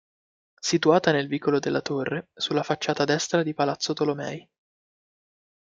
Situata nel Vicolo della Torre, sulla facciata destra di Palazzo Tolomei.